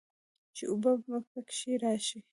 چې اوبۀ به پکښې راشي